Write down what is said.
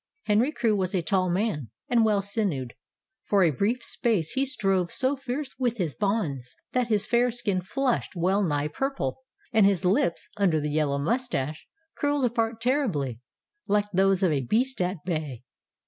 Henry Crewe was a tall man, and well sinewed, and for a brief space he strove so fiercely with his bonds that his fair skin flushed well nigh purple, and his lips, under the yellow mustache, curled apart terribly, like those of a beast at bay.